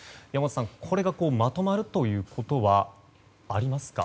山本さんこれがまとまるということはありますか。